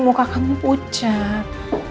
muka kamu pucat